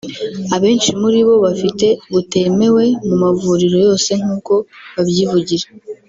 abenshi muri bo bafite butemewe mu mavuriro yose nk’uko babyivugira